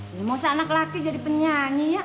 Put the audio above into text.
ini mau seanak laki jadi penyanyi ya